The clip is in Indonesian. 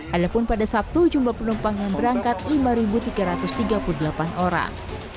adapun pada sabtu jumlah penumpang yang berangkat lima tiga ratus tiga puluh delapan orang